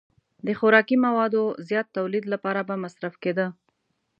د خوراکي موادو زیات تولید لپاره به مصرف کېده.